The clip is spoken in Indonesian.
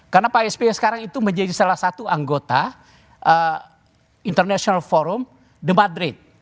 karena pak sby sekarang itu menjadi salah satu anggota international forum the madrid